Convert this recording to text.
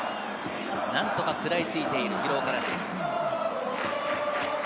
何とか食らいついていく廣岡です。